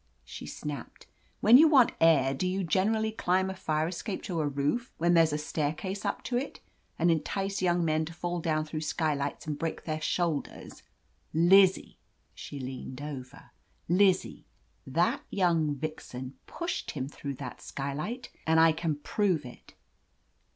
she snapped. "When you want air, do you generally climb a fire escape to a roof, when there's a staircase up to it, and entice young men to fall down through skylights and break their shoulders? Lizzie," — she leaned over — "Lizzie, that young vixen pushed him through that skylight and I can prove it